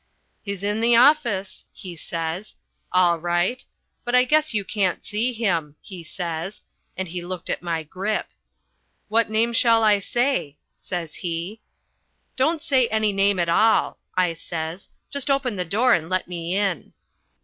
"He's in the office," he says, "all right, but I guess you can't see him," he says and he looked at my grip. "What name shall I say?" says he. "Don't say any name at all," I says. "Just open the door and let me in."